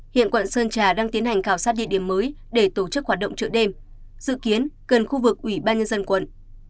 hiện quận sơn trà đang tiến hành khảo sát địa điểm mới để tổ chức hoạt động chợ đêm dự kiến gần khu vực ủy ban nhân dân quận